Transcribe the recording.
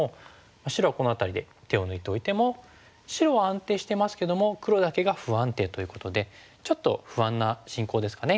白はこの辺りで手を抜いておいても白は安定してますけども黒だけが不安定ということでちょっと不安な進行ですかね。